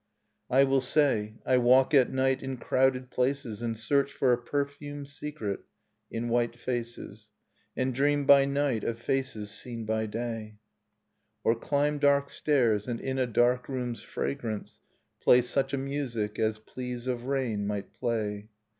I will say : I walk at night in crowded places And search for a perfumed secret in white faces. And dream by night of faces seen by day. [6i] Nocturne of Remembered Spring Or climb dark stairs and in a dark room's fragrance Play such a music as pleas of rain might play.